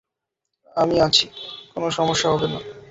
আমি আছি, কোন সমস্যা হবে না।